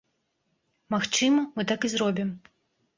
Магчыма, мы так і зробім.